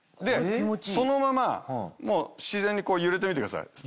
そのまま自然に揺れてみてください。